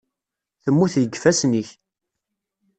Temmut deg yifassen-ik.